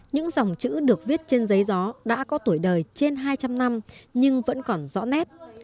những dòng chữ được viết trên giấy gió đã có tuổi đời trên hai trăm linh năm nhưng vẫn còn rõ nét